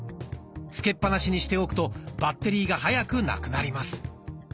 つけっ放しにしておくとバッテリーが早くなくなります。